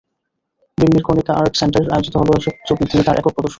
দিল্লির কণিকা আর্ট সেন্টারে আয়োজিত হলো এসব ছবি নিয়ে তাঁর একক প্রদর্শনী।